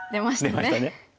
出ましたね。